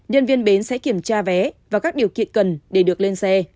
nhân viên bến sẽ kiểm tra vé và các điều kiện cần để được lên xe